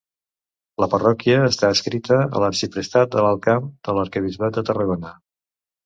La parròquia està adscrita a l'arxiprestat de l'Alt Camp, de l'arquebisbat de Tarragona.